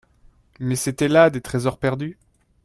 Mais c'etaient là des tresors perdus.